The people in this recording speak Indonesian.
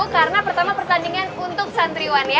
karena pertama pertandingan untuk santriwan ya